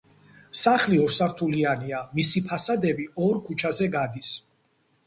სახლი ორსართულიანია, მისი ფასადები ორ ქუჩაზე გადის.